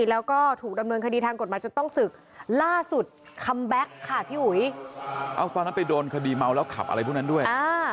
แล้วก็ถูกดำเนินคดีทางกฎหมายจนต้องศึกล่าสุดคัมแบ็คค่ะพี่อุ๋ยเอาตอนนั้นไปโดนคดีเมาแล้วขับอะไรพวกนั้นด้วยอ่า